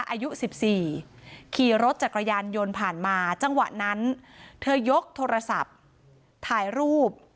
อายุ๑๔ขี่รถจักรยานยนต์ผ่านมาจังหวะนั้นเธอยกโทรศัพท์ถ่ายรูป